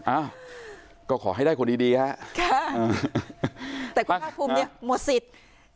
อ้าวก็ขอให้ได้คนดีดีฮะค่ะแต่คุณภาคภูมิเนี่ยหมดสิทธิ์